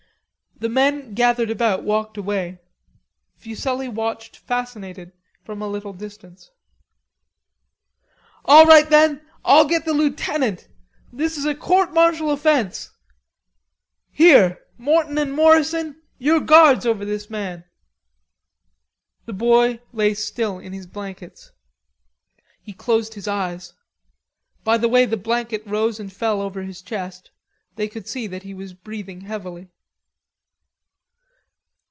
The men gathered about walked away. Fuselli watched fascinated from a little distance. "All right, then, I'll get the lieutenant. This is a court martial offence. Here, Morton and Morrison, you're guards over this man." The boy lay still in his blankets. He closed his eyes. By the way the blanket rose and fell over his chest, they could see that he was breathing heavily.